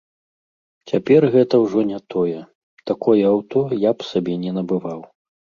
Цяпер гэта ўжо не тое, такое аўто я б сабе не набываў.